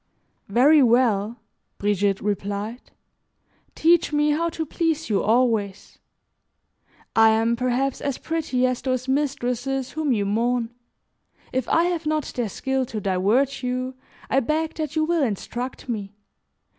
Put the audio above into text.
"Very well," Brigitte replied, "teach me how to please you always. I am perhaps as pretty as those mistresses whom you mourn; if I have not their skill to divert you, I beg that you will instruct me.